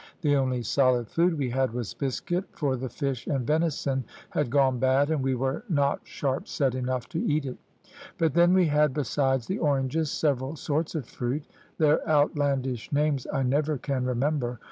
The only solid food we had was biscuit, for the fish and venison had gone bad, and we were not sharp set enough to eat it; but then we had, besides the oranges, several sorts of fruit; their outlandish names I never can remember.